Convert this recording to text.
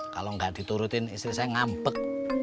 kalau ga diturutin istri saya ngampek